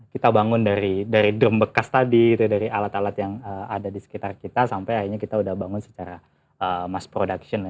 kita bangun dari drum bekas tadi dari alat alat yang ada di sekitar kita sampai akhirnya kita udah bangun secara mass production